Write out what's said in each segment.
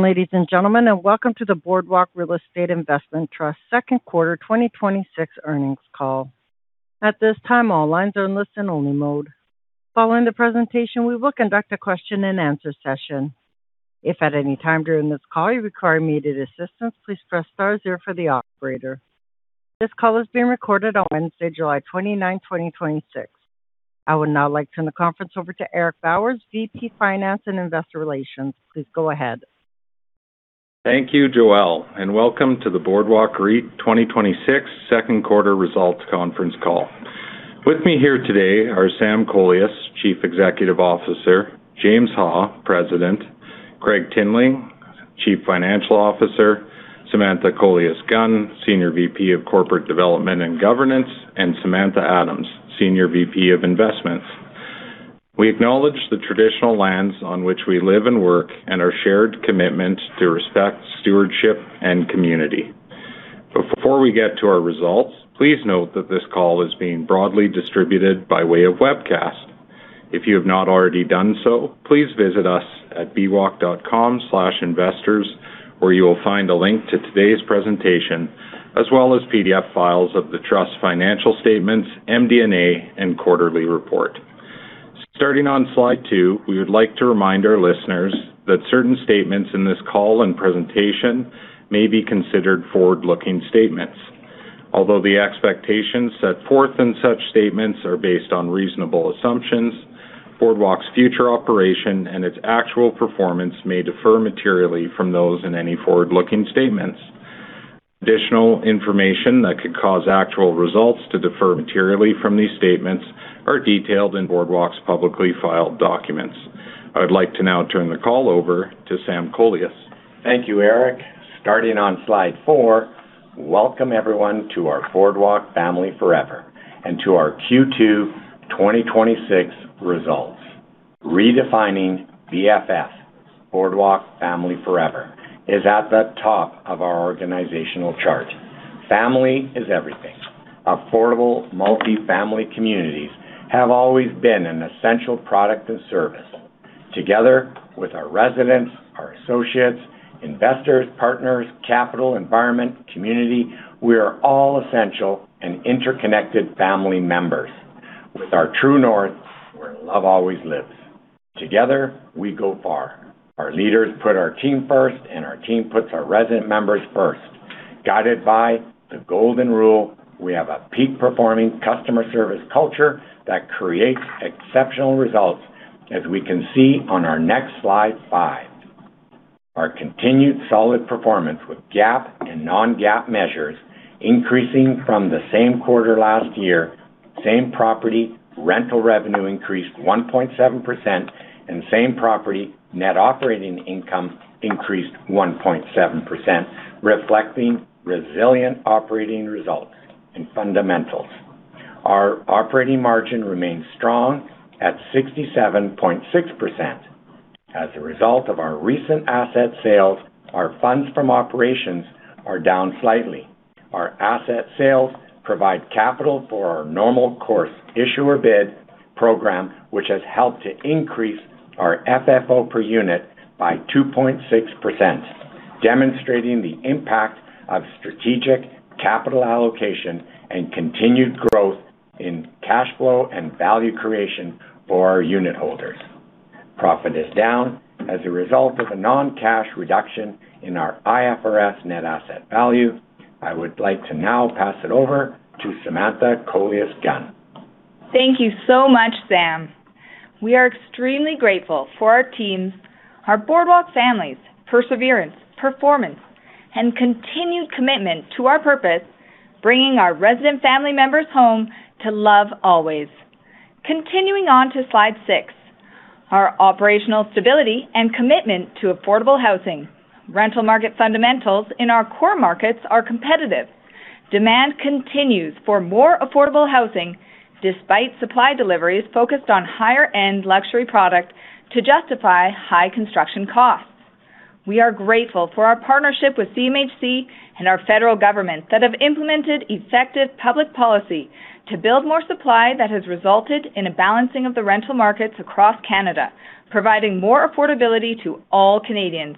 Ladies and gentlemen, welcome to the Boardwalk Real Estate Investment Trust second quarter 2026 earnings call. At this time, all lines are in listen-only mode. Following the presentation, we will conduct a question-and-answer session. If at any time during this call you require immediate assistance, please press star zero for the operator. This call is being recorded on Wednesday, July 29th, 2026. I would now like to turn the conference over to Eric Bowers, VP Finance and Investor Relations. Please go ahead. Thank you, Joelle. Welcome to the Boardwalk REIT 2026 second quarter results conference call. With me here today are Sam Kolias, Chief Executive Officer, James Ha, President, Gregg Tinling, Chief Financial Officer, Samantha Kolias-Gunn, Senior VP of Corporate Development and Governance, and Samantha Adams, Senior VP of Investments. We acknowledge the traditional lands on which we live and work and our shared commitment to respect, stewardship, and community. Before we get to our results, please note that this call is being broadly distributed by way of webcast. If you have not already done so, please visit us at bwalk.com/investors, where you will find a link to today's presentation, as well as PDF files of the trust financial statements, MD&A, and quarterly report. Starting on Slide 2, we would like to remind our listeners that certain statements in this call and presentation may be considered forward-looking statements. Although the expectations set forth in such statements are based on reasonable assumptions, Boardwalk's future operation and its actual performance may differ materially from those in any forward-looking statements. Additional information that could cause actual results to differ materially from these statements are detailed in Boardwalk's publicly filed documents. I would like to now turn the call over to Sam Kolias. Thank you, Eric. Starting on Slide 4, welcome everyone to our Boardwalk Family Forever and to our Q2 2026 results. Redefining BFF, Boardwalk Family Forever, is at the top of our organizational chart. Family is everything. Affordable multi-family communities have always been an essential product and service. Together with our residents, our associates, investors, partners, capital, environment, community, we are all essential and interconnected family members with our true north, where love always lives. Together, we go far. Our leaders put our team first. Our team puts our resident members first. Guided by the golden rule, we have a peak-performing customer service culture that creates exceptional results, as we can see on our next Slide 5. Our continued solid performance with GAAP and non-GAAP measures increasing from the same quarter last year. Same property rental revenue increased 1.7%, and same property net operating income increased 1.7%, reflecting resilient operating results and fundamentals. Our operating margin remains strong at 67.6%. As a result of our recent asset sales, our funds from operations are down slightly. Our asset sales provide capital for our normal course issuer bid program, which has helped to increase our FFO per unit by 2.6%, demonstrating the impact of strategic capital allocation and continued growth in cash flow and value creation for our unit holders. Profit is down as a result of a non-cash reduction in our IFRS net asset value. I would like to now pass it over to Samantha Kolias-Gunn. Thank you so much, Sam. We are extremely grateful for our teams, our Boardwalk families' perseverance, performance, and continued commitment to our purpose, bringing our resident family members home to love always. Continuing on to Slide 6. Our operational stability and commitment to affordable housing. Rental market fundamentals in our core markets are competitive. Demand continues for more affordable housing despite supply deliveries focused on higher-end luxury product to justify high construction costs. We are grateful for our partnership with CMHC and our federal government that have implemented effective public policy to build more supply that has resulted in a balancing of the rental markets across Canada, providing more affordability to all Canadians.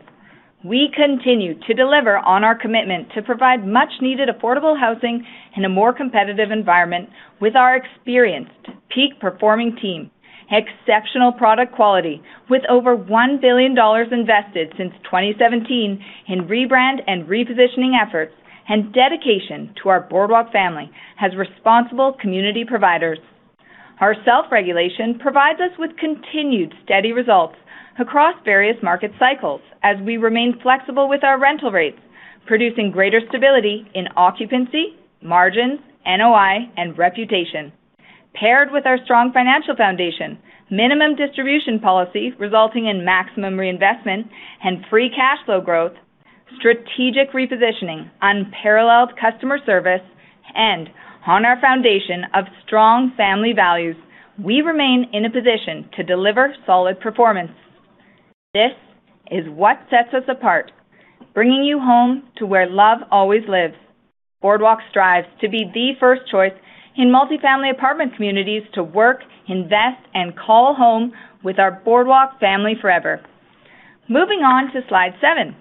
We continue to deliver on our commitment to provide much-needed affordable housing in a more competitive environment with our experienced peak-performing team, exceptional product quality with over 1 billion dollars invested since 2017 in rebrand and repositioning efforts, and dedication to our Boardwalk family as responsible community providers. Our self-regulation provides us with continued steady results across various market cycles as we remain flexible with our rental rates, producing greater stability in occupancy, margins, NOI, and reputation. Paired with our strong financial foundation, minimum distribution policy resulting in maximum reinvestment and free cash flow growth, strategic repositioning, unparalleled customer service, and on our foundation of strong family values, we remain in a position to deliver solid performance. This is what sets us apart Bringing you home to where love always lives. Boardwalk strives to be the first choice in multifamily apartment communities to work, invest, and call home with our Boardwalk Family Forever. Moving on to Slide 7.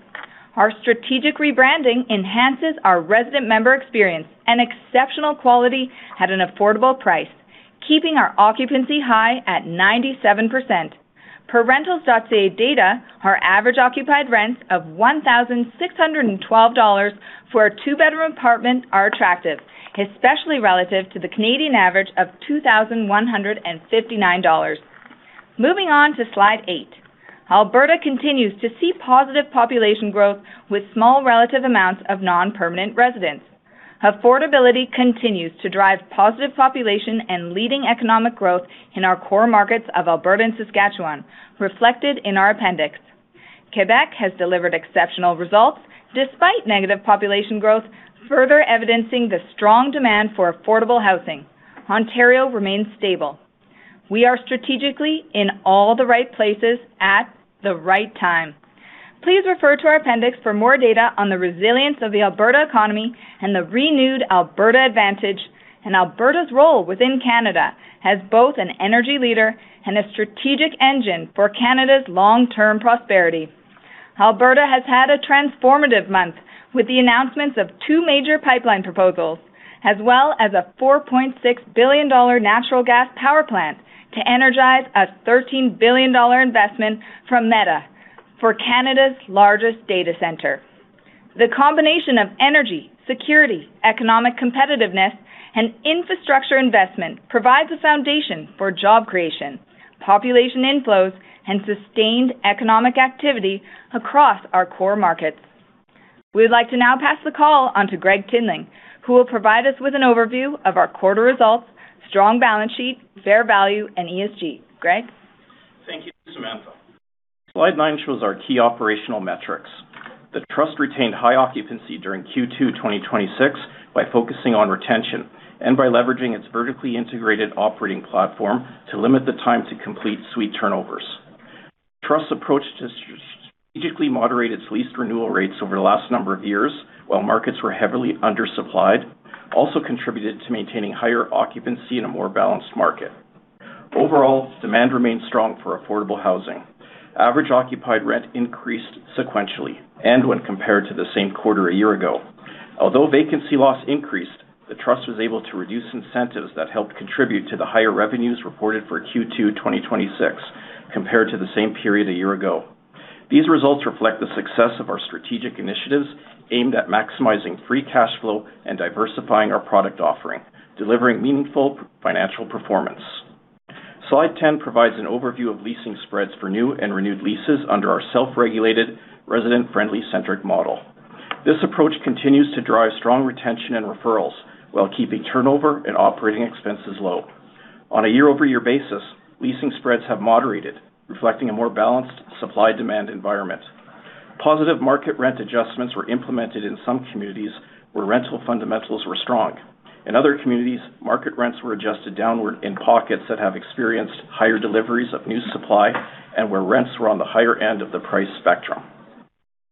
Our strategic rebranding enhances our resident member experience and exceptional quality at an affordable price, keeping our occupancy high at 97%. Per rentals.ca data, our average occupied rents of 1,612 dollars for a two-bedroom apartment are attractive, especially relative to the Canadian average of 2,159 dollars. Moving on to Slide 8. Alberta continues to see positive population growth with small relative amounts of non-permanent residents. Affordability continues to drive positive population and leading economic growth in our core markets of Alberta and Saskatchewan, reflected in our appendix. Quebec has delivered exceptional results despite negative population growth, further evidencing the strong demand for affordable housing. Ontario remains stable. We are strategically in all the right places at the right time. Please refer to our appendix for more data on the resilience of the Alberta economy and the renewed Alberta advantage, and Alberta's role within Canada as both an energy leader and a strategic engine for Canada's long-term prosperity. Alberta has had a transformative month with the announcements of two major pipeline proposals, as well as a 4.6 billion dollar natural gas power plant to energize a 13 billion dollar investment from Meta for Canada's largest data center. The combination of energy, security, economic competitiveness, and infrastructure investment provides a foundation for job creation, population inflows, and sustained economic activity across our core markets. We would like to now pass the call on to Gregg Tinling, who will provide us with an overview of our quarter results, strong balance sheet, fair value, and ESG. Gregg? Thank you, Samantha. Slide 9 shows our key operational metrics. The Trust's approach to strategically moderate its leased renewal rates over the last number of years, while markets were heavily undersupplied, also contributed to maintaining higher occupancy in a more balanced market. Overall, demand remained strong for affordable housing. Average occupied rent increased sequentially and when compared to the same quarter a year ago. Although vacancy loss increased, the Trust was able to reduce incentives that helped contribute to the higher revenues reported for Q2 2026 compared to the same period a year ago. These results reflect the success of our strategic initiatives aimed at maximizing free cash flow and diversifying our product offering, delivering meaningful financial performance. Slide 10 provides an overview of leasing spreads for new and renewed leases under our self-regulated, resident-friendly centric model. This approach continues to drive strong retention and referrals while keeping turnover and operating expenses low. On a year-over-year basis, leasing spreads have moderated, reflecting a more balanced supply-demand environment. Positive market rent adjustments were implemented in some communities where rental fundamentals were strong. In other communities, market rents were adjusted downward in pockets that have experienced higher deliveries of new supply and where rents were on the higher end of the price spectrum.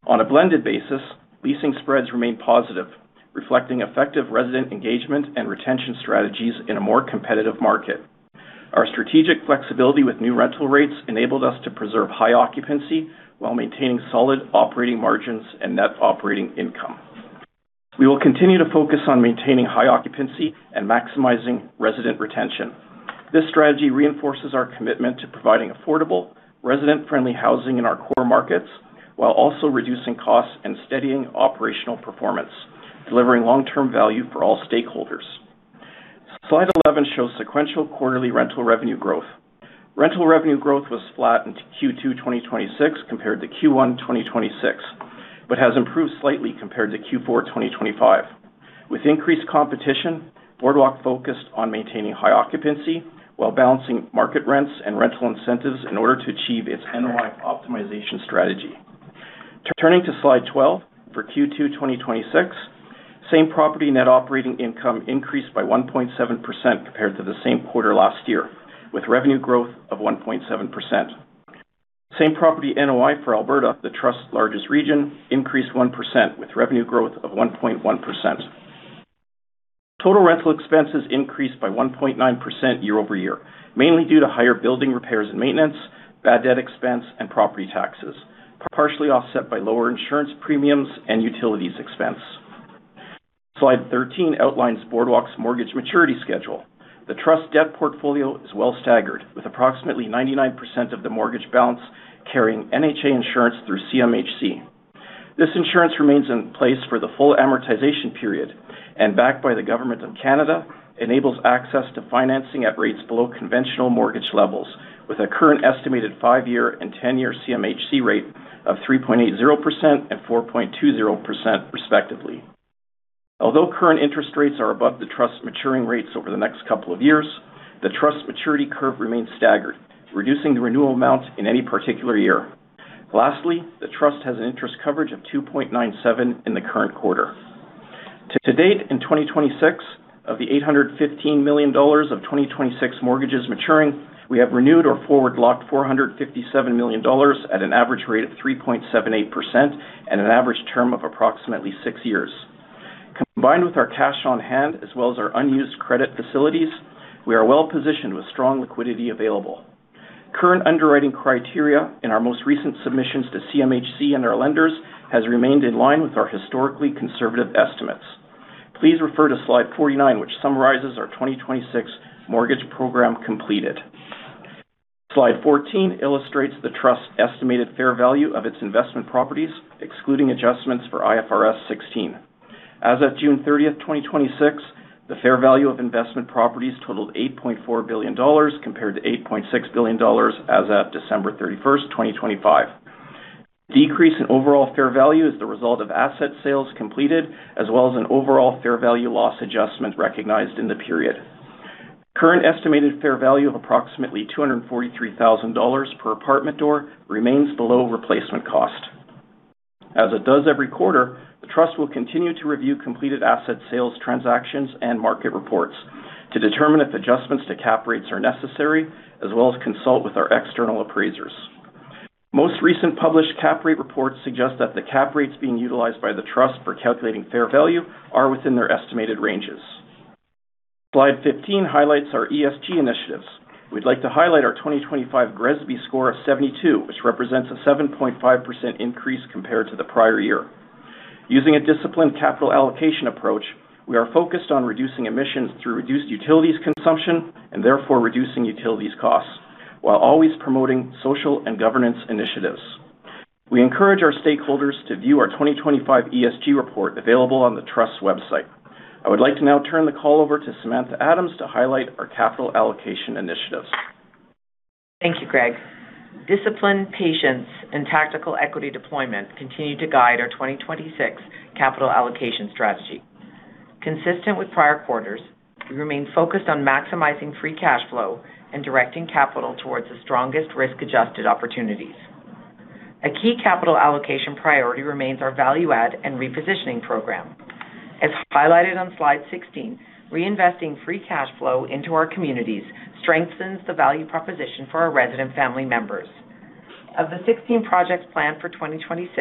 On a blended basis, leasing spreads remained positive, reflecting effective resident engagement and retention strategies in a more competitive market. Our strategic flexibility with new rental rates enabled us to preserve high occupancy while maintaining solid operating margins and net operating income. We will continue to focus on maintaining high occupancy and maximizing resident retention. This strategy reinforces our commitment to providing affordable, resident-friendly housing in our core markets, while also reducing costs and steadying operational performance, delivering long-term value for all stakeholders. Slide 11 shows sequential quarterly rental revenue growth. Rental revenue growth was flat in Q2 2026 compared to Q1 2026 but has improved slightly compared to Q4 2025. With increased competition, Boardwalk focused on maintaining high occupancy while balancing market rents and rental incentives in order to achieve its NOI optimization strategy. Turning to Slide 12 for Q2 2026, same property net operating income increased by 1.7% compared to the same quarter last year, with revenue growth of 1.7%. Same property NOI for Alberta, the Trust's largest region, increased 1% with revenue growth of 1.1%. Total rental expenses increased by 1.9% year-over-year, mainly due to higher building repairs and maintenance, bad debt expense, and property taxes, partially offset by lower insurance premiums and utilities expense. Slide 13 outlines Boardwalk's mortgage maturity schedule. The trust debt portfolio is well staggered with approximately 99% of the mortgage balance carrying NHA insurance through CMHC. This insurance remains in place for the full amortization period and backed by the Government of Canada, enables access to financing at rates below conventional mortgage levels with a current estimated five-year and 10-year CMHC rate of 3.80% and 4.20%, respectively. Although current interest rates are above the trust's maturing rates over the next couple of years, the trust maturity curve remains staggered, reducing the renewal amounts in any particular year. Lastly, the trust has an interest coverage of 2.97% in the current quarter. To date, in 2026, of the 815 million dollars of 2026 mortgages maturing, we have renewed or forward locked 457 million dollars at an average rate of 3.78% and an average term of approximately six years. Combined with our cash on hand as well as our unused credit facilities, we are well-positioned with strong liquidity available. Current underwriting criteria in our most recent submissions to CMHC and our lenders has remained in line with our historically conservative estimates. Please refer to Slide 49, which summarizes our 2026 mortgage program completed. Slide 14 illustrates the trust's estimated fair value of its investment properties, excluding adjustments for IFRS 16. As of June 30th, 2026, the fair value of investment properties totaled 8.4 billion dollars, compared to 8.6 billion dollars as of December 31st, 2025. Decrease in overall fair value is the result of asset sales completed, as well as an overall fair value loss adjustment recognized in the period. Current estimated fair value of approximately 243,000 dollars per apartment door remains below replacement cost. As it does every quarter, the trust will continue to review completed asset sales transactions and market reports to determine if adjustments to cap rates are necessary, as well as consult with our external appraisers. Most recent published cap rate reports suggest that the cap rates being utilized by the trust for calculating fair value are within their estimated ranges. Slide 15 highlights our ESG initiatives. We'd like to highlight our 2025 GRESB score of 72, which represents a 7.5% increase compared to the prior year. Using a disciplined capital allocation approach, we are focused on reducing emissions through reduced utilities consumption and therefore reducing utilities costs, while always promoting social and governance initiatives. We encourage our stakeholders to view our 2025 ESG report available on the trust website. I would like to now turn the call over to Samantha Adams to highlight our capital allocation initiatives. Thank you, Gregg. Discipline, patience, and tactical equity deployment continue to guide our 2026 capital allocation strategy. Consistent with prior quarters, we remain focused on maximizing free cash flow and directing capital towards the strongest risk-adjusted opportunities. A key capital allocation priority remains our value add and repositioning program. As highlighted on Slide 16, reinvesting free cash flow into our communities strengthens the value proposition for our resident family members. Of the 16 projects planned for 2026,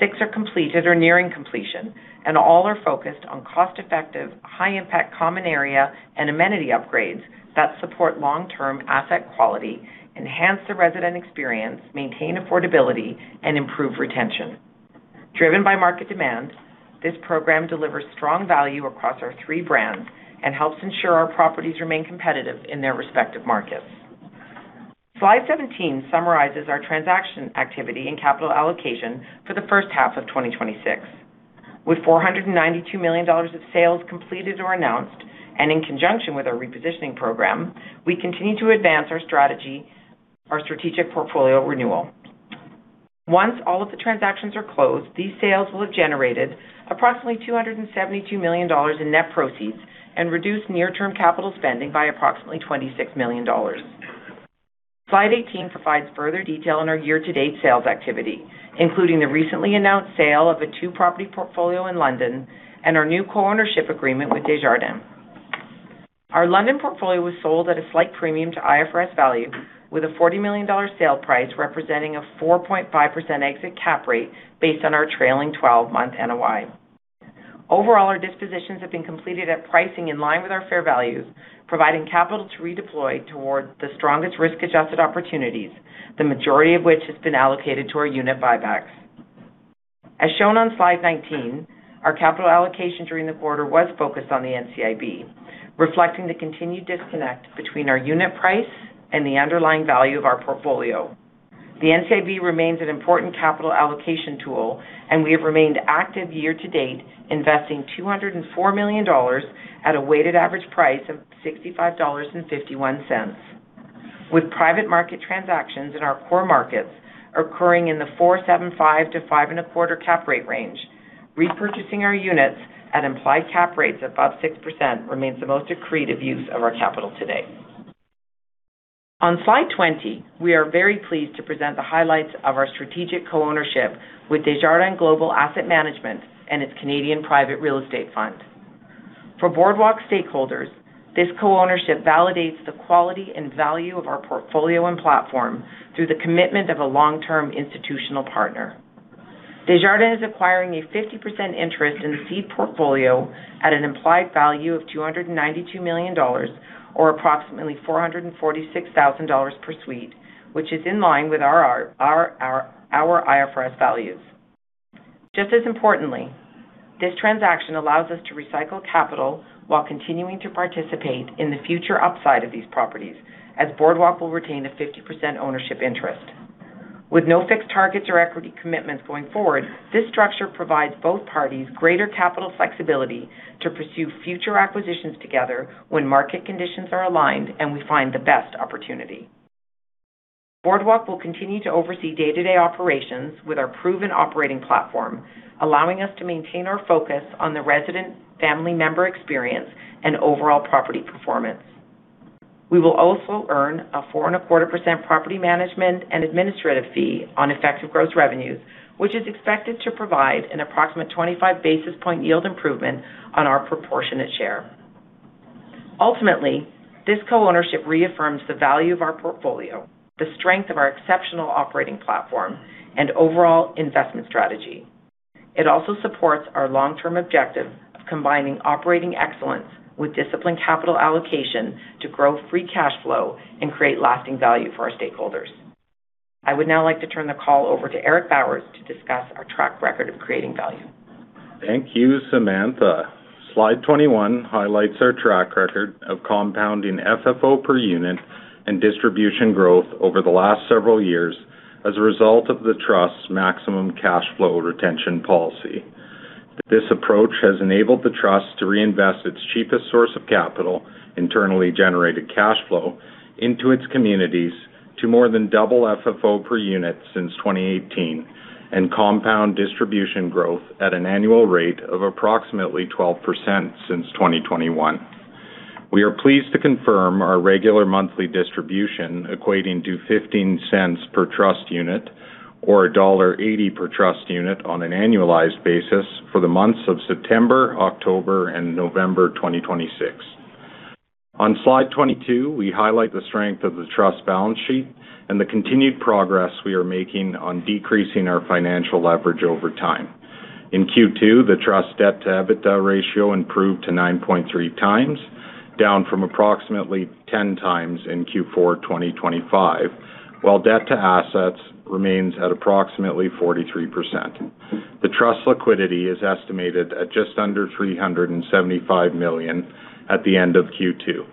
six are completed or nearing completion, and all are focused on cost-effective, high-impact common area and amenity upgrades that support long-term asset quality, enhance the resident experience, maintain affordability, and improve retention. Driven by market demands, this program delivers strong value across our three brands and helps ensure our properties remain competitive in their respective markets. Slide 17 summarizes our transaction activity and capital allocation for the first half of 2026. With 492 million dollars of sales completed or announced, and in conjunction with our repositioning program, we continue to advance our strategic portfolio renewal. Once all of the transactions are closed, these sales will have generated approximately 272 million dollars in net proceeds and reduced near-term capital spending by approximately 26 million dollars. Slide 18 provides further detail on our year-to-date sales activity, including the recently announced sale of a two-property portfolio in London and our new co-ownership agreement with Desjardins. Our London portfolio was sold at a slight premium to IFRS value with a 40 million dollar sale price representing a 4.5% exit cap rate based on our trailing 12-month NOI. Overall, our dispositions have been completed at pricing in line with our fair values, providing capital to redeploy toward the strongest risk-adjusted opportunities, the majority of which has been allocated to our unit buybacks. As shown on Slide 19, our capital allocation during the quarter was focused on the NCIB, reflecting the continued disconnect between our unit price and the underlying value of our portfolio. The NCIB remains an important capital allocation tool, and we have remained active year to date, investing 204 million dollars at a weighted average price of 65.51 dollars. With private market transactions in our core markets occurring in the 4.75%-5.25% cap rate range, repurchasing our units at implied cap rates above 6% remains the most accretive use of our capital today. On Slide 20, we are very pleased to present the highlights of our strategic co-ownership with Desjardins Global Asset Management and its Canadian private real estate fund. For Boardwalk stakeholders, this co-ownership validates the quality and value of our portfolio and platform through the commitment of a long-term institutional partner. Desjardins is acquiring a 50% interest in the seed portfolio at an implied value of 292 million dollars or approximately 446,000 dollars per suite, which is in line with our IFRS values. Just as importantly, this transaction allows us to recycle capital while continuing to participate in the future upside of these properties, as Boardwalk will retain a 50% ownership interest. With no fixed targets or equity commitments going forward, this structure provides both parties greater capital flexibility to pursue future acquisitions together when market conditions are aligned and we find the best opportunity. Boardwalk will continue to oversee day-to-day operations with our proven operating platform, allowing us to maintain our focus on the resident family member experience and overall property performance. We will also earn a 4.25% property management and administrative fee on effective gross revenues, which is expected to provide an approximate 25 basis point yield improvement on our proportionate share. Ultimately, this co-ownership reaffirms the value of our portfolio, the strength of our exceptional operating platform, and overall investment strategy. It also supports our long-term objective of combining operating excellence with disciplined capital allocation to grow free cash flow and create lasting value for our stakeholders. I would now like to turn the call over to Eric Bowers to discuss our track record of creating value. Thank you, Samantha. Slide 21 highlights our track record of compounding FFO per unit and distribution growth over the last several years as a result of the trust's maximum cash flow retention policy. This approach has enabled the trust to reinvest its cheapest source of capital, internally generated cash flow, into its communities to more than double FFO per unit since 2018 and compound distribution growth at an annual rate of approximately 12% since 2021. We are pleased to confirm our regular monthly distribution equating to 0.15 per trust unit or dollar 1.80 per trust unit on an annualized basis for the months of September, October, and November 2026. On Slide 22, we highlight the strength of the trust balance sheet and the continued progress we are making on decreasing our financial leverage over time. In Q2, the trust debt-to-EBITDA ratio improved to 9.3 times, down from approximately 10 times in Q4 2025, while debt to assets remains at approximately 43%. The trust liquidity is estimated at just under 375 million at the end of Q2.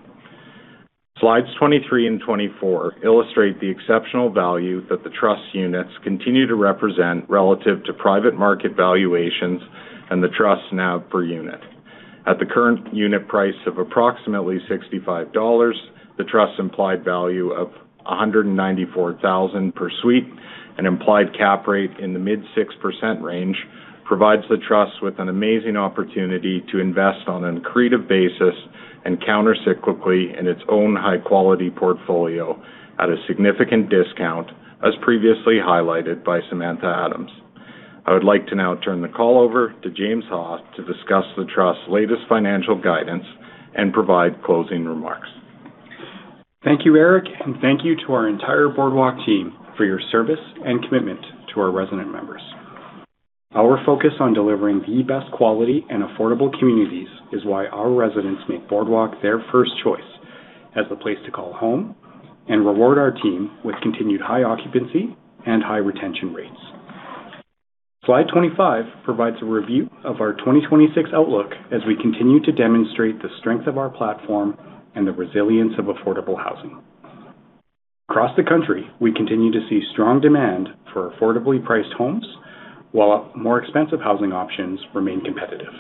Slide 23 and Slide 24 illustrate the exceptional value that the trust units continue to represent relative to private market valuations, and the trust NAV per unit. At the current unit price of approximately 65 dollars, the trust's implied value of 194,000 per suite, an implied cap rate in the mid 6% range, provides the trust with an amazing opportunity to invest on an accretive basis and countercyclically in its own high-quality portfolio at a significant discount as previously highlighted by Samantha Adams. I would like to now turn the call over to James Ha to discuss the trust's latest financial guidance and provide closing remarks. Thank you, Eric, and thank you to our entire Boardwalk team for your service and commitment to our resident members. Our focus on delivering the best quality and affordable communities is why our residents make Boardwalk their first choice as the place to call home and reward our team with continued high occupancy and high retention rates. Slide 25 provides a review of our 2026 outlook as we continue to demonstrate the strength of our platform and the resilience of affordable housing. Across the country, we continue to see strong demand for affordably priced homes, while more expensive housing options remain competitive.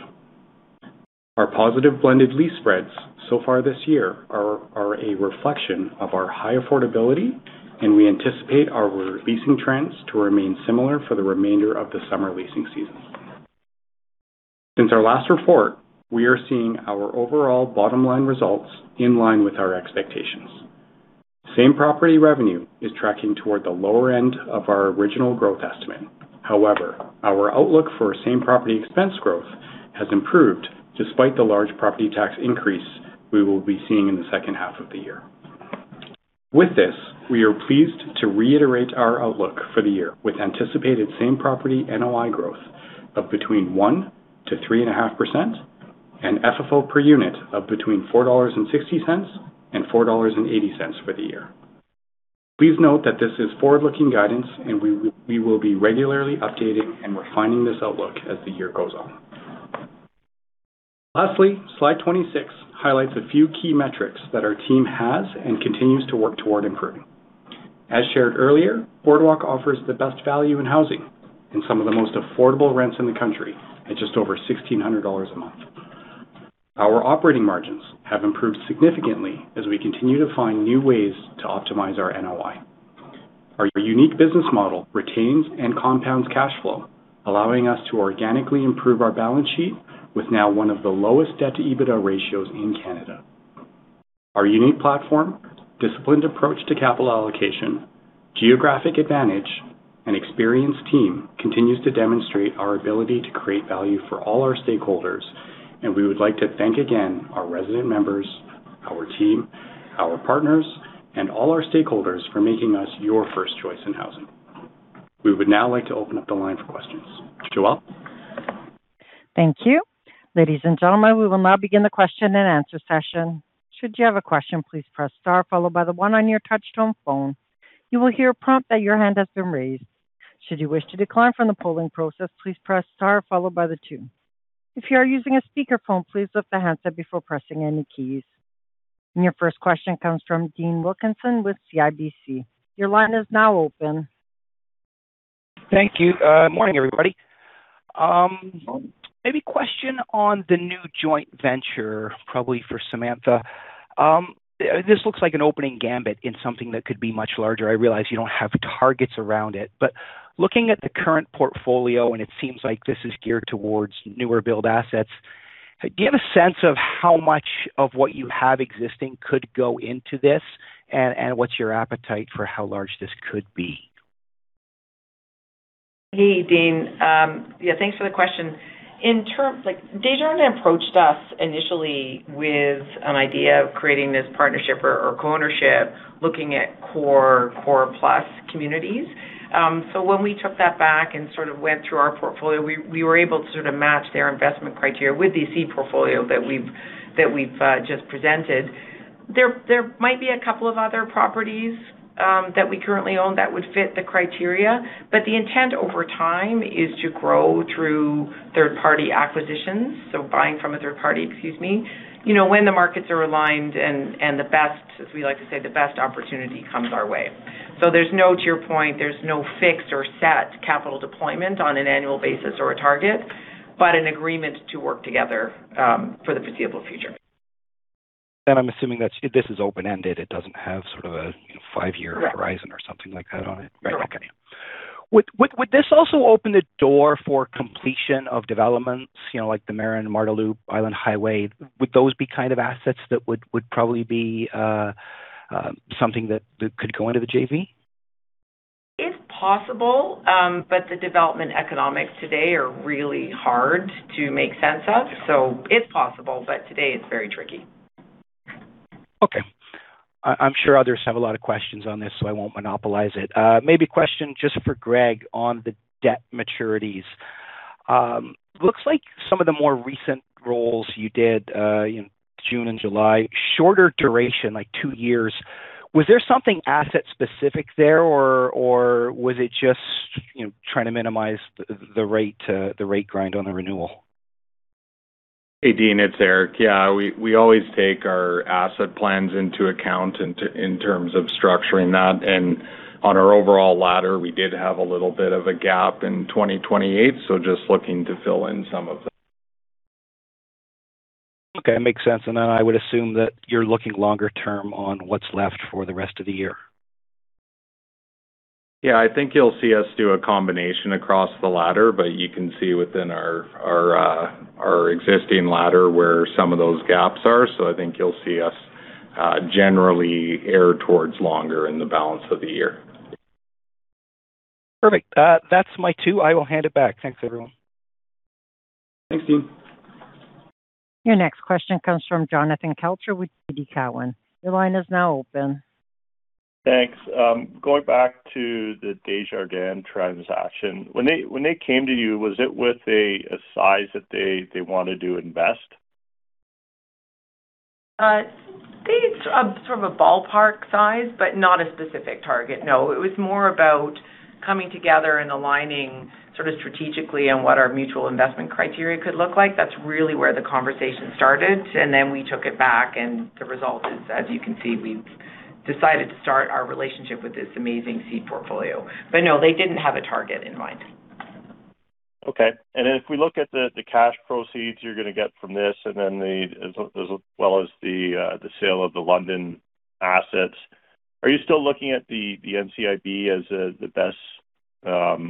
Our positive blended lease spreads so far this year are a reflection of our high affordability, and we anticipate our leasing trends to remain similar for the remainder of the summer leasing season. Since our last report, we are seeing our overall bottom-line results in line with our expectations. Same-property revenue is tracking toward the lower end of our original growth estimate. However, our outlook for same-property expense growth has improved despite the large property tax increase we will be seeing in the second half of the year. With this, we are pleased to reiterate our outlook for the year with anticipated same-property NOI growth of between 1% and 3.5% and FFO per unit of between 4.60 dollars and 4.80 dollars for the year. Please note that this is forward-looking guidance, and we will be regularly updating and refining this outlook as the year goes on. Lastly, Slide 26 highlights a few key metrics that our team has and continues to work toward improving. As shared earlier, Boardwalk offers the best value in housing and some of the most affordable rents in the country at just over 1,600 dollars a month. Our operating margins have improved significantly as we continue to find new ways to optimize our NOI. Our unique business model retains and compounds cash flow, allowing us to organically improve our balance sheet with now one of the lowest debt-to-EBITDA ratios in Canada. Our unique platform, disciplined approach to capital allocation, geographic advantage, and experienced team continues to demonstrate our ability to create value for all our stakeholders, and we would like to thank again our resident members, our team, our partners, and all our stakeholders for making us your first choice in housing. We would now like to open up the line for questions. Joelle? Thank you. Ladies and gentlemen, we will now begin the question-and-answer session. Should you have a question, please press star followed by the one on your touch-tone phone. You will hear a prompt that your hand has been raised. Should you wish to decline from the polling process, please press star followed by the two. If you are using a speakerphone, please lift the handset before pressing any keys. Your first question comes from Dean Wilkinson with CIBC. Your line is now open. Thank you. Morning, everybody. Maybe question on the new joint venture, probably for Samantha. This looks like an opening gambit in something that could be much larger. I realize you don't have targets around it, but looking at the current portfolio, and it seems like this is geared towards newer build assets, do you have a sense of how much of what you have existing could go into this, and what's your appetite for how large this could be? Hey, Dean. Yeah, thanks for the question. Desjardins approached us initially with an idea of creating this partnership or co-ownership looking at core plus communities. When we took that back and sort of went through our portfolio, we were able to sort of match their investment criteria with the seed portfolio that we've just presented. There might be a couple of other properties that we currently own that would fit the criteria, but the intent over time is to grow through third-party acquisitions. Buying from a third party, excuse me. When the markets are aligned and as we like to say, the best opportunity comes our way. To your point, there's no fixed or set capital deployment on an annual basis or a target, but an agreement to work together for the foreseeable future. I'm assuming that this is open-ended, it doesn't have sort of a five-year horizon or something like that on it. Correct. Right. Okay. Would this also open the door for completion of developments like the Marin Marda Loop Island Highway? Would those be kind of assets that would probably be something that could go into the JV? It's possible. The development economics today are really hard to make sense of. It's possible, but today it's very tricky. Okay. I'm sure others have a lot of questions on this, so I won't monopolize it. Maybe a question just for Gregg on the debt maturities. Looks like some of the more recent rolls you did, June and July, shorter duration, like two years. Was there something asset specific there or was it just trying to minimize the rate grind on the renewal? Hey, Dean, it's Eric. Yeah, we always take our asset plans into account in terms of structuring that. On our overall ladder, we did have a little bit of a gap in 2028, so just looking to fill in some of that. Okay. Makes sense. I would assume that you're looking longer term on what's left for the rest of the year. Yeah, I think you'll see us do a combination across the ladder, you can see within our existing ladder where some of those gaps are. I think you'll see us generally err towards longer in the balance of the year. Perfect. That's my two. I will hand it back. Thanks, everyone. Thanks, Dean. Your next question comes from Jonathan Kelcher with TD Cowen. Your line is now open. Thanks. Going back to the Desjardins transaction. When they came to you, was it with a size that they want to do invest? They had sort of a ballpark size, but not a specific target, no. It was more about coming together and aligning sort of strategically on what our mutual investment criteria could look like. That's really where the conversation started, and then we took it back, and the result is, as you can see, we've decided to start our relationship with this amazing seed portfolio. No, they didn't have a target in mind. Okay. If we look at the cash proceeds, you're going to get from this and as well as the sale of the London assets, are you still looking at the NCIB as the best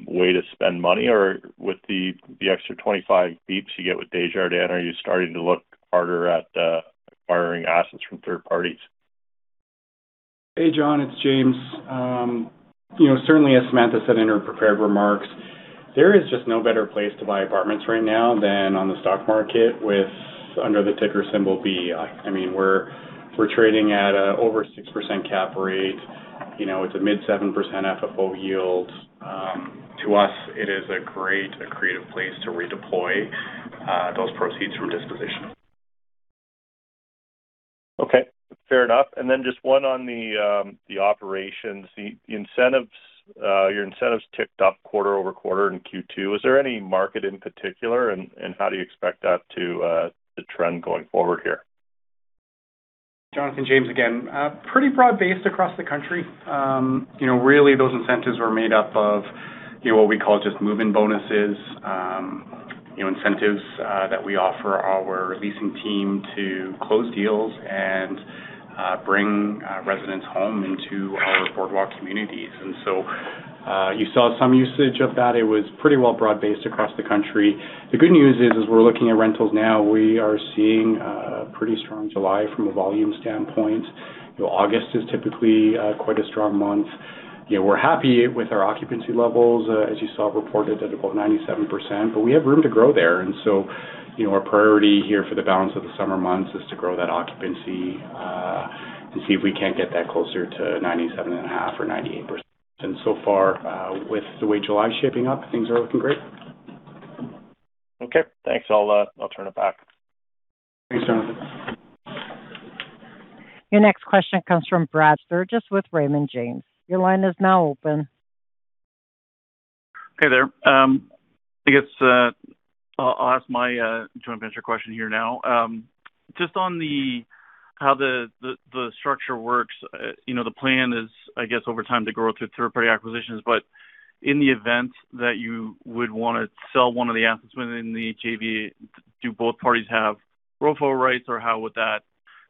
way to spend money? Or with the extra 25 basis points you get with Desjardins, are you starting to look harder at acquiring assets from third parties? Hey, Jon, it's James. Certainly, as Samantha said in her prepared remarks, there is just no better place to buy apartments right now than on the stock market under the ticker symbol BEI.UN. We're trading at over 6% cap rate. It's a mid 6% FFO yield. To us, it is a great creative place to redeploy those proceeds from disposition. Okay. Fair enough. Just one on the operations. Your incentives ticked up quarter-over-quarter in Q2. Is there any market in particular and how do you expect that to trend going forward here? Jonathan, James again. Pretty broad-based across the country. Really those incentives were made up of what we call just move-in bonuses. Incentives that we offer our leasing team to close deals and bring residents home into our Boardwalk Communities. You saw some usage of that. It was pretty well broad-based across the country. The good news is, as we're looking at rentals now, we are seeing pretty strong July from a volume standpoint. August is typically quite a strong month. We're happy with our occupancy levels, as you saw reported at about 97%, but we have room to grow there. Our priority here for the balance of the summer months is to grow that occupancy, to see if we can't get that closer to 97.5% or 98%. So far, with the way July is shaping up, things are looking great. Okay. Thanks. I'll turn it back. Thanks, Jonathan. Your next question comes from Brad Sturges with Raymond James. Your line is now open. Hey there. I guess, I'll ask my joint venture question here now. Just on how the structure works. The plan is, I guess over time to grow through third-party acquisitions. In the event that you would want to sell one of the assets within the JV, do both parties have ROFO rights or how would that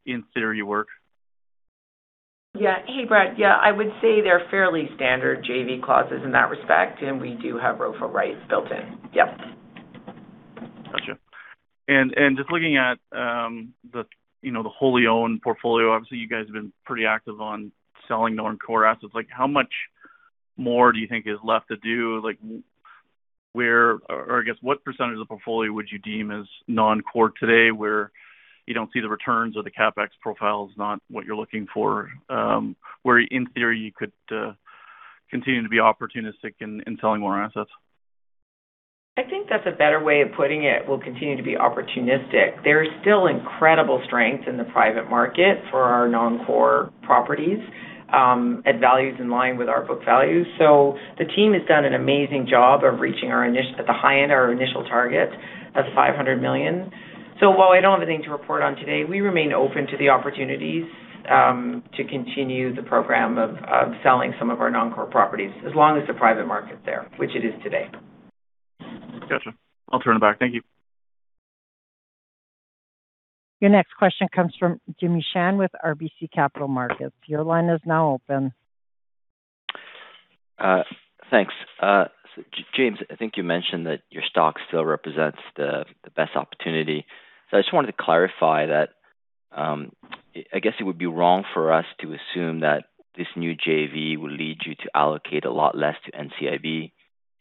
in theory work? Hey, Brad. I would say they're fairly standard JV clauses in that respect. We do have ROFO rights built in. Yep. Just looking at the wholly owned portfolio, obviously, you guys have been pretty active on selling non-core assets. How much more do you think is left to do? I guess, what % of the portfolio would you deem as non-core today, where you don't see the returns or the CAPEX profile is not what you're looking for, where in theory you could continue to be opportunistic in selling more assets? I think that's a better way of putting it. We'll continue to be opportunistic. There is still incredible strength in the private market for our non-core properties at values in line with our book values. The team has done an amazing job of reaching the high end our initial target of 500 million. While I don't have anything to report on today, we remain open to the opportunities to continue the program of selling some of our non-core properties, as long as the private market's there, which it is today. Got you. I'll turn it back. Thank you. Your next question comes from Jimmy Shan with RBC Capital Markets. Your line is now open. Thanks. James, I think you mentioned that your stock still represents the best opportunity. I just wanted to clarify that, I guess it would be wrong for us to assume that this new JV will lead you to allocate a lot less to NCIB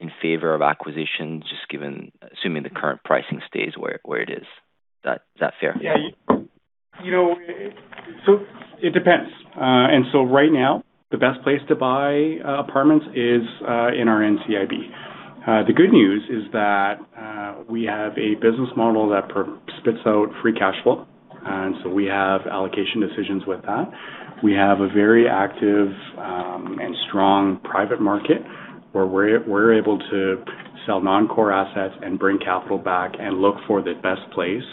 in favor of acquisition, just assuming the current pricing stays where it is. Is that fair? Yeah. It depends. Right now, the best place to buy apartments is in our NCIB. The good news is that we have a business model that spits out free cash flow, we have allocation decisions with that. We have a very active and strong private market where we're able to sell non-core assets and bring capital back and look for the best place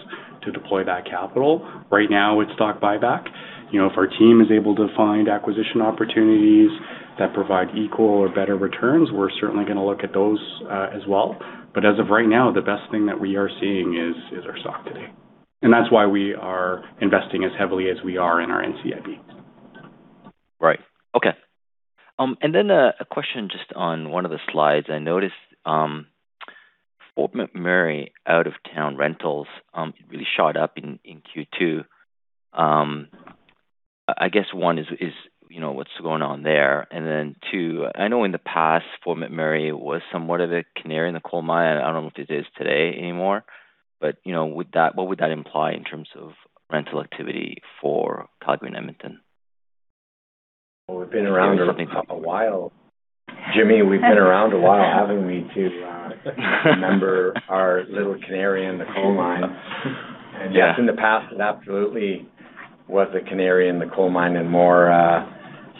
to deploy that capital. Right now, it's stock buyback. If our team is able to find acquisition opportunities that provide equal or better returns, we're certainly going to look at those as well. As of right now, the best thing that we are seeing is our stock today. That's why we are investing as heavily as we are in our NCIB. Right. Okay. A question just on one of the slides. I noticed Fort McMurray out-of-town rentals really shot up in Q2. I guess one is, what's going on there? Two, I know in the past, Fort McMurray was somewhat of a canary in the coal mine. I don't know if it is today anymore. What would that imply in terms of rental activity for Calgary and Edmonton? Well, we've been around a while. Jimmy, we've been around a while, haven't we, too? I remember our little canary in the coal mine. Yeah. Yes, in the past, it absolutely was a canary in the coal mine and more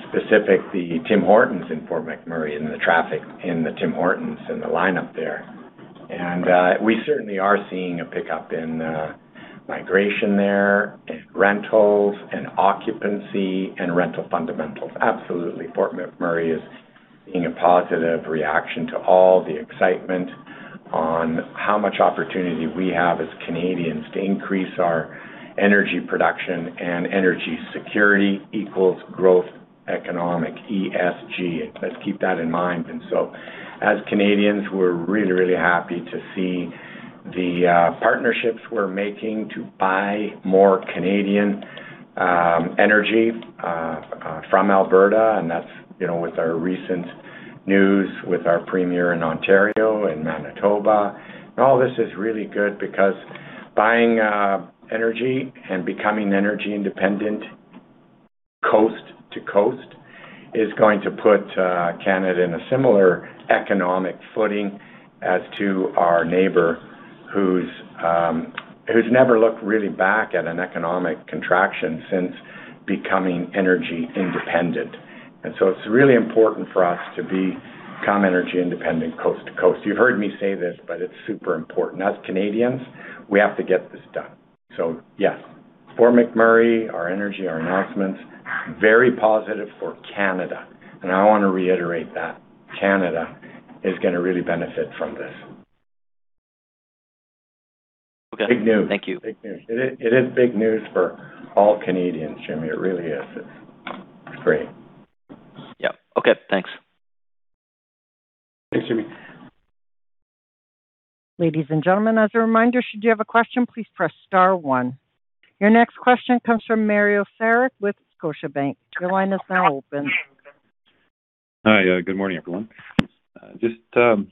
specific, the Tim Hortons in Fort McMurray and the traffic in the Tim Hortons and the line up there. We certainly are seeing a pickup in migration there, in rentals and occupancy and rental fundamentals. Absolutely. Fort McMurray is seeing a positive reaction to all the excitement on how much opportunity we have as Canadians to increase our energy production and energy security equals growth, economic, ESG. Let's keep that in mind. As Canadians, we're really, really happy to see the partnerships we're making to buy more Canadian energy from Alberta. That's with our recent news with our Premier in Ontario and Manitoba. All this is really good because buying energy and becoming energy-independent coast to coast is going to put Canada in a similar economic footing as to our neighbor who's never looked really back at an economic contraction since becoming energy-independent. It's really important for us to become energy-independent coast to coast. You've heard me say this, but it's super important. As Canadians, we have to get this done. Yes, Fort McMurray, our energy, our announcements, very positive for Canada. I want to reiterate that Canada is going to really benefit from this. Okay. Big news. Thank you. Big news. It is big news for all Canadians, Jimmy. It really is. It's great. Yep. Okay, thanks. Thanks, Jimmy. Ladies and gentlemen, as a reminder, should you have a question, please press star one. Your next question comes from Mario Saric with Scotiabank. Your line is now open. Hi. Good morning, everyone. Just on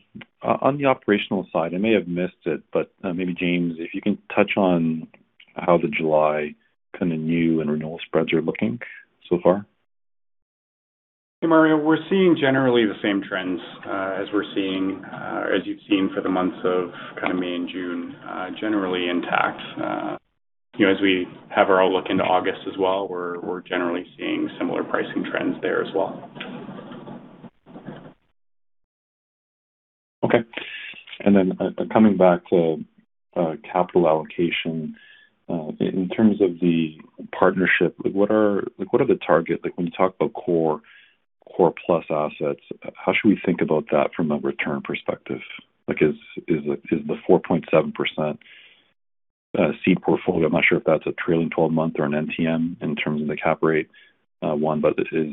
the operational side, I may have missed it, but maybe James, if you can touch on how the July kind of new and renewal spreads are looking so far. Mario, we're seeing generally the same trends as you've seen for the months of May and June, generally intact. As we have our look into August as well, we're generally seeing similar pricing trends there as well. Okay. Coming back to capital allocation, in terms of the partnership, what are the target? When you talk about core plus assets, how should we think about that from a return perspective? Is the 4.7% C portfolio, I'm not sure if that's a trailing 12-month or an NTM in terms of the cap rate one but is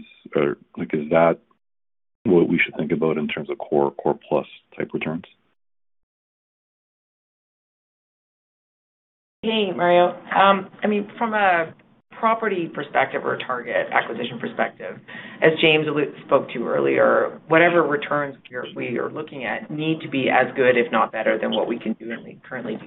that what we should think about in terms of core plus type returns. Hey, Mario. From a property perspective or a target acquisition perspective, as James Ha spoke to earlier, whatever returns we are looking at need to be as good, if not better, than what we can do currently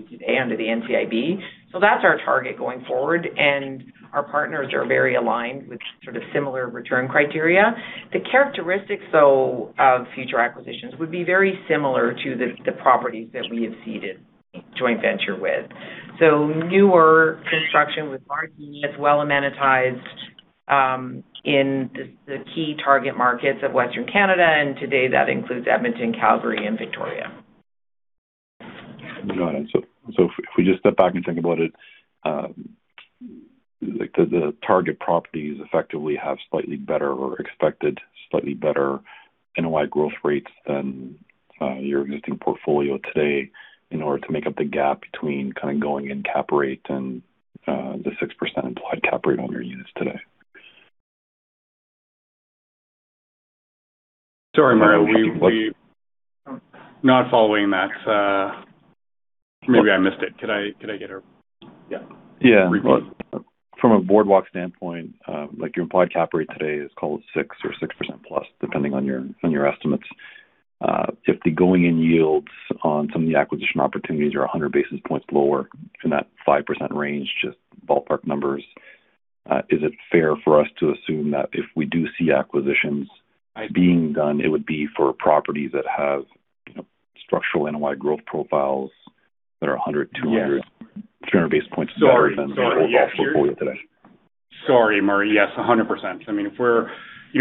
under the NCIB. That's our target going forward, and our partners are very aligned with sort of similar return criteria. The characteristics, though, of future acquisitions would be very similar to the properties that we have seeded joint venture with. Newer construction with large units, well amenitized in the key target markets of Western Canada. Today that includes Edmonton, Calgary, and Victoria. Got it. If we just step back and think about it, the target properties effectively have slightly better or expected slightly better NOI growth rates than your existing portfolio today in order to make up the gap between kind of going in cap rate and the 6% implied cap rate on your units today. Sorry, Mario. We're not following that. Maybe I missed it. Could I get a Yeah. Yeah. From a Boardwalk standpoint, your implied cap rate today is call it six or 6% plus, depending on your estimates. If the going-in yields on some of the acquisition opportunities are 100 basis points lower in that 5% range, just ballpark numbers, is it fair for us to assume that if we do see acquisitions being done, it would be for properties that have structural NOI growth profiles that are 100, 200, 300 basis points better than the overall portfolio today? Sorry, Mario. Yes, 100%.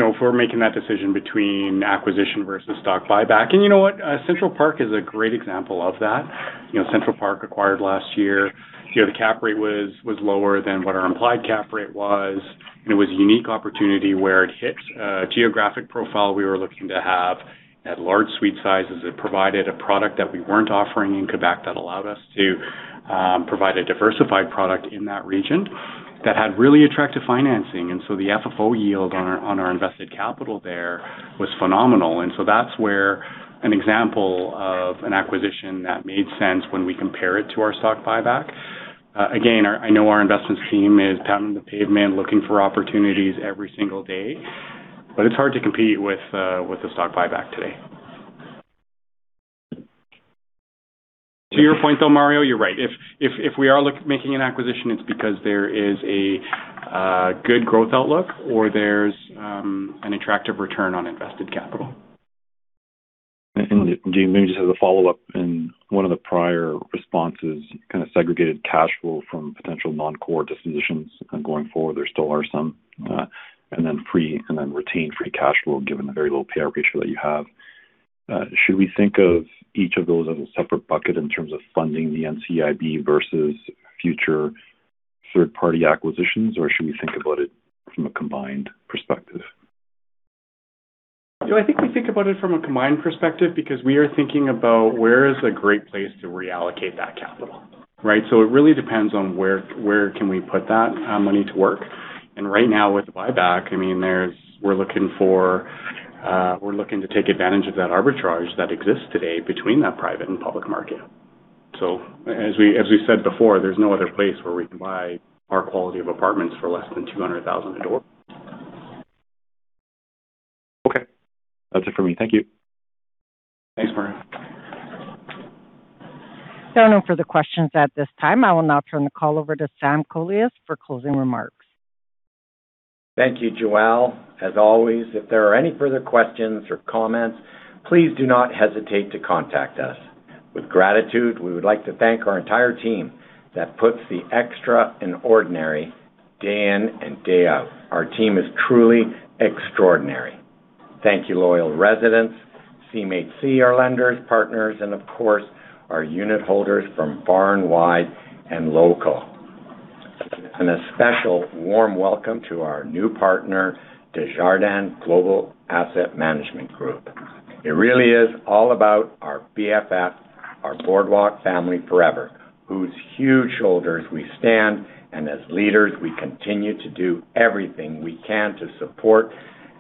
If we're making that decision between acquisition versus stock buyback. You know what? Central Parc Laval is a great example of that. Central Parc Laval acquired last year, the cap rate was lower than what our implied cap rate was, and it was a unique opportunity where it hit a geographic profile we were looking to have. It had large suite sizes. It provided a product that we weren't offering in Quebec that allowed us to provide a diversified product in that region that had really attractive financing. The FFO yield on our invested capital there was phenomenal. That's where an example of an acquisition that made sense when we compare it to our stock buyback. Again, I know our investments team is pounding the pavement, looking for opportunities every single day, but it's hard to compete with the stock buyback today. To your point, though, Mario, you're right. If we are making an acquisition, it's because there is a good growth outlook or there's an attractive return on invested capital. Maybe just as a follow-up, in one of the prior responses, kind of segregated cash flow from potential non-core dispositions going forward, there still are some, then retain free cash flow given the very low payout ratio that you have. Should we think of each of those as a separate bucket in terms of funding the NCIB versus future third-party acquisitions, or should we think about it from a combined perspective? I think we think about it from a combined perspective because we are thinking about: Where is a great place to reallocate that capital, right? It really depends on where can we put that money to work. Right now, with the buyback, we're looking to take advantage of that arbitrage that exists today between that private and public market. As we said before, there's no other place where we can buy our quality of apartments for less than 200,000 a door. That's it for me. Thank you. Thanks, Mario. No further questions at this time. I will now turn the call over to Sam Kolias for closing remarks. Thank you, Joelle. As always, if there are any further questions or comments, please do not hesitate to contact us. With gratitude, we would like to thank our entire team that puts the extra in ordinary day in and day out. Our team is truly extraordinary. Thank you, loyal residents, CMHC, our lenders, partners, and of course, our unitholders from far and wide and local. A special warm welcome to our new partner, Desjardins Global Asset Management Group. It really is all about our BFFs, our Boardwalk Family Forever, whose huge shoulders we stand and as leaders, we continue to do everything we can to support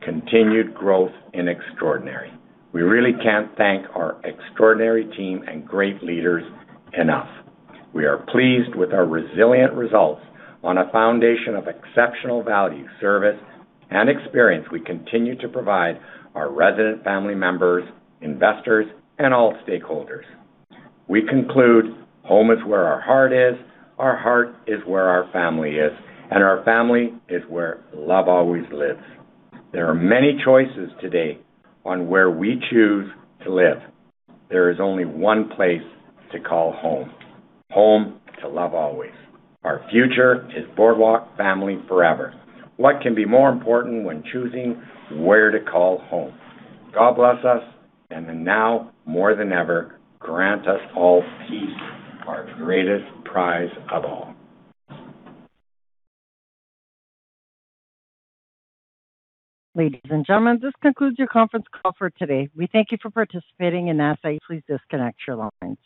continued growth in extraordinary. We really can't thank our extraordinary team and great leaders enough. We are pleased with our resilient results. On a foundation of exceptional value, service, and experience we continue to provide our resident family members, investors, and all stakeholders. We conclude home is where our heart is, our heart is where our family is, and our family is where love always lives. There are many choices today on where we choose to live. There is only one place to call home. Home to love always. Our future is Boardwalk Family Forever. What can be more important when choosing where to call home? God bless us, and now more than ever, grant us all peace, our greatest prize of all. Ladies and gentlemen, this concludes your conference call for today. We thank you for participating. Please disconnect your lines.